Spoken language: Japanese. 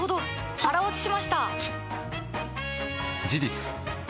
腹落ちしました！